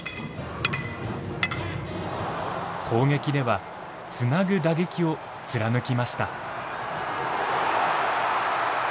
攻撃では「つなぐ打撃」を貫きました。